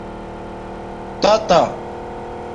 تاتآ